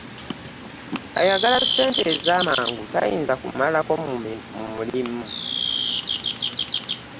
Ayagala ssente ez'amangu tayinza kumalako mu mirimu.